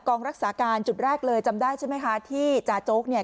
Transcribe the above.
รักษาการจุดแรกเลยจำได้ใช่ไหมคะที่จาโจ๊กเนี่ย